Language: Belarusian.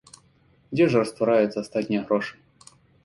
Дзе ж раствараюцца астатнія грошы?